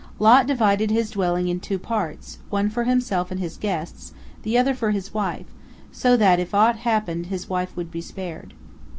Lot divided his dwelling in two parts, one for himself and his guests, the other for his wife, so that, if aught happened, his wife would be spared.